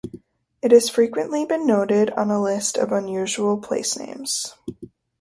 It has frequently been noted on lists of unusual place names.